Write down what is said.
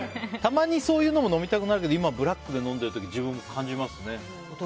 たまに、そういうのも飲みたくなるけど今、ブラックで飲んでる時感じますね。